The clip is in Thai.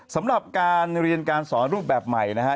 สำหรับการเรียนการสอนรูปแบบใหม่นะฮะ